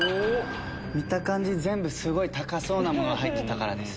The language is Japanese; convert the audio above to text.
見た感じ全部高そうなもの入ってたからです。